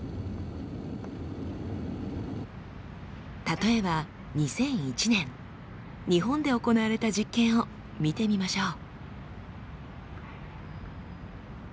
例えば２００１年日本で行われた実験を見てみましょう。